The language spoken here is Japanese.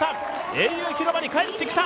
英雄広場に帰ってきた！